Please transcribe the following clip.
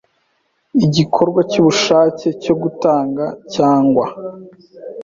igikorwa cy ubushake cyo gutanga cyangwa